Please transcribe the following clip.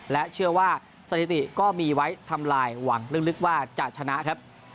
และเชื่อว่าสถิติก็มีไว้ทำลายหวังลึกว่าจะชนะครับ